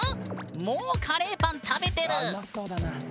もうカレーパン食べてる！